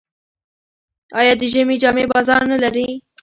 آیا د ژمي جامې بازار نلري؟